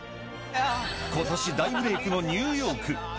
ことし大ブレークのニューヨーク。